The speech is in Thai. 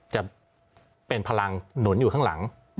จะเป็นพลังหนุนอยู่ข้างหลัง